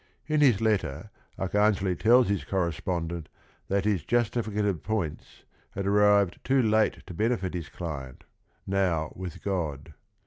In his letter Arcangeli tells his correspondent that his "justi ficative points" had arrived too late to benefit his client, "now with God."